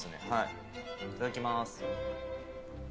いただきます。